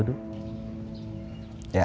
udah kasih bogor